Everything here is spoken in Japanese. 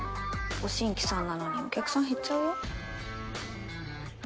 ご新規さんなのにお客さん減っちゃうよ。